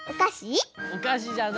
おかしじゃないな！